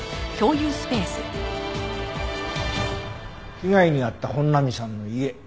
被害に遭った本並さんの家。